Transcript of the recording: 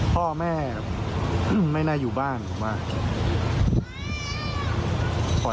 พ่อแม่ไม่น่าอยู่บ้านหรือเปล่า